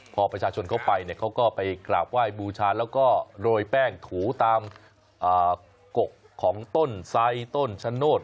พอประชาชนเข้าไปเนี่ยเขาก็ไปกราบไหว้บูชาแล้วก็โรยแป้งถูตามกกของต้นไซส์ต้นชะโนธ